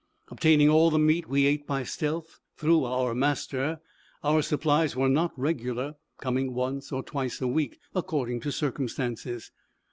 Obtaining all the meat we ate by stealth, through our master, our supplies were not regular, coming once or twice a week, according to circumstances.